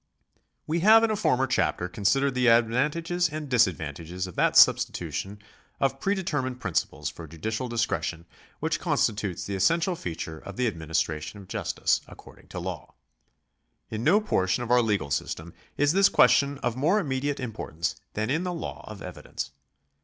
We have in a former chapter considered the advantages and disadvantages of that substitution of predetermined principles for judicial discretion which constitutes the essential feature of the administration of justice according to law. In no portion of our legal system is this question of more immediate importance than in the law of evidence.